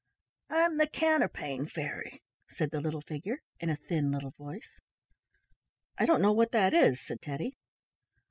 "I'm the Counterpane Fairy," said the little figure, in a thin little voice. "I don't know what that is," said Teddy.